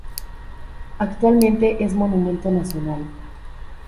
Actualmente es monumento nacional.